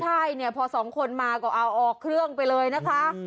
ใช่เนี่ยพอสองคนมาก็เอาออกเครื่องไปเลยนะคะ